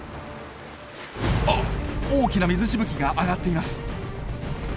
あっ大きな水しぶきが上がっています！